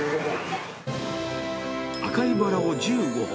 赤いバラを１５本。